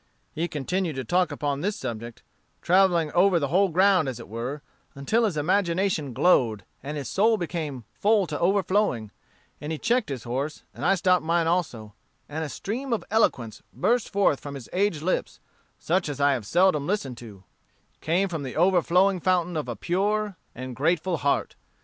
He continued to talk upon this subject, travelling over the whole ground as it were, until his imagination glowed, and his soul became full to overflowing; and he checked his horse, and I stopped mine also, and a stream of eloquence burst forth from his aged lips, such as I have seldom listened to: it came from the overflowing fountain of a pure and grateful heart.